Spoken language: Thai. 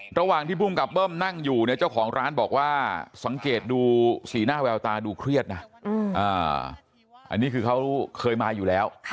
ระหว่างที่ภูมิกับเบิ้มนั่งอยู่เนี่ยเจ้าของร้านบอกว่าสังเกตดูสีหน้าแววตาดูเครียดนะอันนี้คือเขาเคยมาอยู่แล้ว